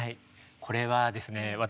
これはですねああ！